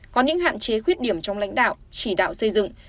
có những hạn chế khuyết điểm trong lãnh đạo chỉ đạo xây dựng